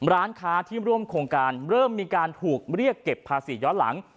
ร้านค้าที่ร่วมโครงการเริ่มมีการถูกเรียกเก็บภาษีย้อนหลัง